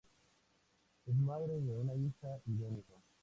Es madre de una hija y de un hijo.